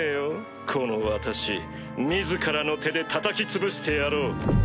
この私自らの手でたたき潰してやろう。